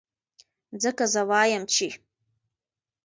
ځکه زۀ وائم چې